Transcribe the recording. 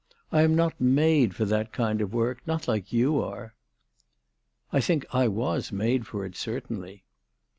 I am not made for that kind of work ; not like you are." " I think I was made for it certainly."